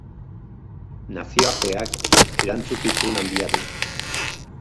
Nazioarteak erantzukizun handia du.